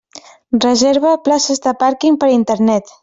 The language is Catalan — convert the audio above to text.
Reserva places de pàrquing per Internet.